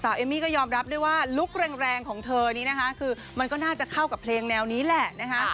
เอมมี่ก็ยอมรับด้วยว่าลุคแรงของเธอนี้นะคะคือมันก็น่าจะเข้ากับเพลงแนวนี้แหละนะคะ